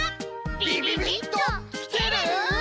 ビビビッときてる？